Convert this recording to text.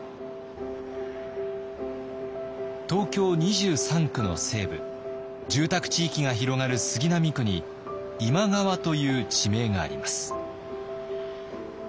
東京２３区の西部住宅地域が広がる杉並区に今川という地名があります。